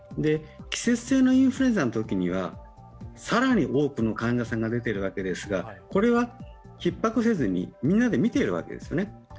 季節性インフルエンザのときには更に多くの患者さんが出ているわけですがこれはひっ迫せずにみんなで診てるわけですね。